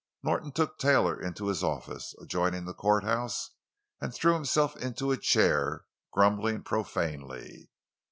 Norton took Taylor into his office, adjoining the courthouse, and threw himself into a chair, grumbling profanely.